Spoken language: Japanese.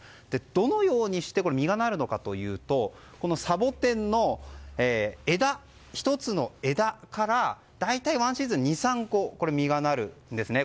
どのようにして実がなるのかというとサボテンの１つの枝から大体１シーズンに２３個実がなるんですね。